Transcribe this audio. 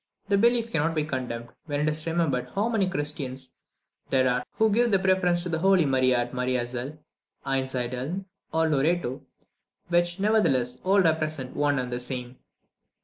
This belief cannot be condemned, when it is remembered how many Christians there are who give the preference to the Holy Maria at Maria Zell, Einsiedeln, or Loretto, which, nevertheless, all represent one and the same.